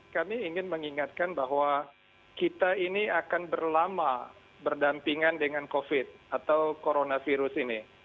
kami ingin mengingatkan bahwa kita ini akan berlama berdampingan dengan covid atau coronavirus ini